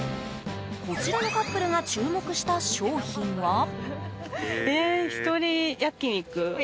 こちらのカップルが注目した商品は。